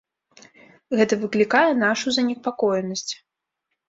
Гэта выклікае нашу занепакоенасць.